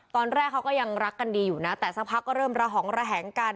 ตอนแรกเขาก็ยังรักกันดีอยู่นะแต่สักพักก็เริ่มระหองระแหงกัน